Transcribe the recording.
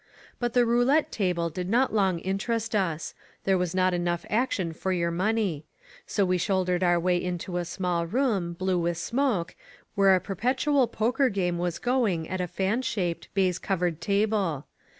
But the roulette table did not long interest us. There was not enough action for your money. So we shouldered our way into a small room, blue with smoke, where a perpetual poker game was going at a fan shaped, baize covered table.